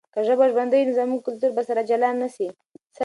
که پښتو ژبه ژوندی وي، نو زموږ کلتور به سره جلا نه سي.